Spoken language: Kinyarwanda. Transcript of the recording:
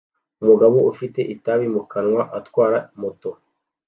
Umugabo ufite itabi mu kanwa atwara moto